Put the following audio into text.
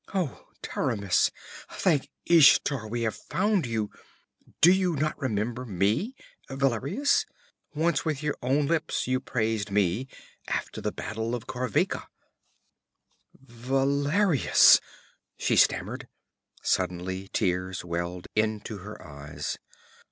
'Oh, Taramis! Thank Ishtar we have found you! Do you not remember me, Valerius? Once with your own lips you praised me, after the battle of Korveka!' 'Valerius!' she stammered. Suddenly tears welled into her eyes.